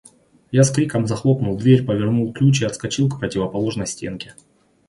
Я с криком захлопнул дверь, повернул ключ и отскочил к противоположной стенке.